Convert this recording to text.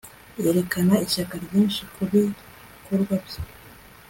Yerekana ishyaka ryinshi kubikorwa bye